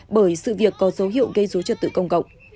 bởi sự việc có dấu hiệu gây dối trật tự công cộng